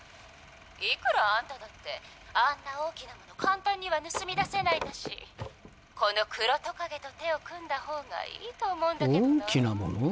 いくらあんただってあんな大きなもの簡単には盗み出せないんだしこの黒蜥蜴と手を組んだほうがいいと思うんだけどなぁ。